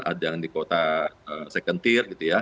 ada yang di kota second tier